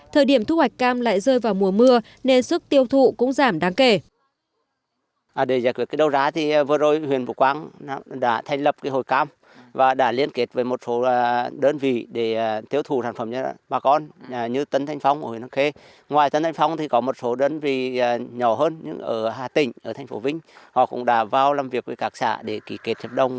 thời điểm thu hoạch cam lại rơi vào mùa mưa nên sức tiêu thụ cũng giảm đáng kể